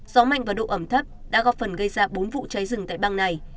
gió mạnh và độ ẩm thấp đã góp phần gây ra bốn vụ cháy rừng tại bang này